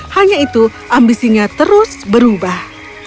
hanya itu ambisinya terus berubah